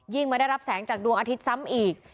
มาได้รับแสงจากดวงอาทิตย์ซ้ำอีก